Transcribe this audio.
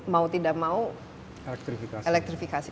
mau tidak mau elektrifikasi